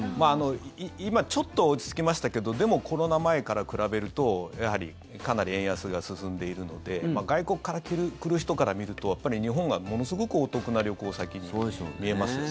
今、ちょっと落ち着きましたけどでもコロナ前から比べるとやはりかなり円安が進んでいるので外国から来る人から見るとやっぱり日本がものすごくお得な旅行先に見えますよね。